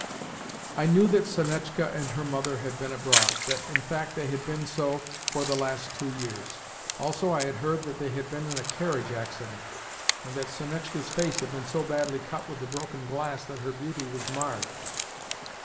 I knew that Sonetchka and her mother had been abroad that, in fact, they had been so for the last two years. Also, I had heard that they had been in a carriage accident, and that Sonetchka's face had been so badly cut with the broken glass that her beauty was marred.